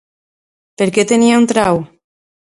Per què tenia un trau?